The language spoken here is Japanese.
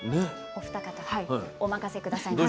お二方お任せ下さいませ。